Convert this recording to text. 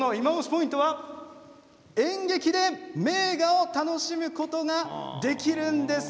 ポイントは演劇で名画を楽しむことができるんです。